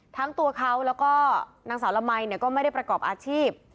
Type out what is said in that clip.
ทั้งตัวเขาแล้วก็นางสาวละมัยก็ไม่ได้ประกอบอาชีพ